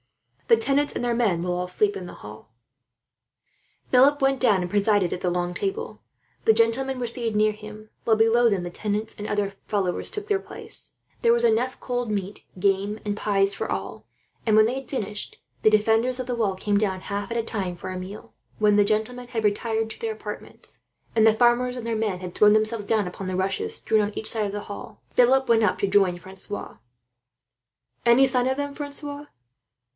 The tenants and their men will all sleep in the hall." Philip went down, and presided at the long table. The gentlemen were seated near him while, below them, the tenants and other followers took their places. There was enough cold meat, game, and pies for all; and when they had finished, the defenders of the wall came down, half at a time, for a meal. When the gentlemen had retired to their apartments, and the farmers and their men had thrown themselves down upon the rushes strewn on each side of the hall, Philip went up to join Francois. "Any sign of them, Francois?"